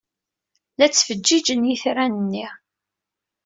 La ttfeǧǧiǧen yitran-nni.